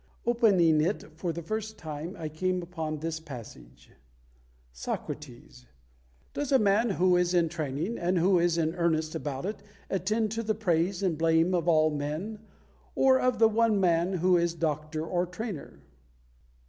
Opening it for the first time, I came upon this passage: Socrates: "Does a man who is in training, and who is in earnest about it, attend to the praise and blame of all men, or of the one man who is doctor or trainer?"